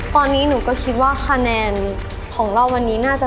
โปรดติดตามต่อไป